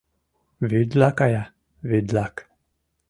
Вӱдла кая, вӱдлак...